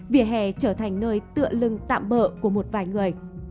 vỉa hè trở thành nơi tựa lưng tạm bỡ của một vài người